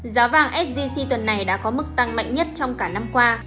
giá vàng sgc tuần này đã có mức tăng mạnh nhất trong cả năm qua